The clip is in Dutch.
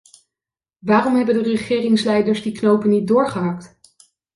Waarom hebben de regeringsleiders die knopen niet doorgehakt.